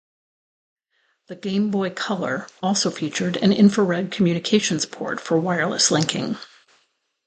The Game Boy Color also featured an infrared communications port for wireless linking.